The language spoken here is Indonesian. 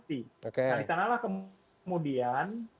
nah di sanalah kemudian